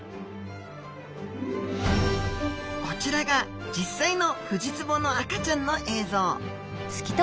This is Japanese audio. こちらが実際のフジツボの赤ちゃんの映像。